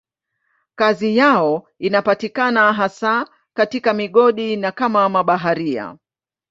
Kazi yao inapatikana hasa katika migodi na kama mabaharia.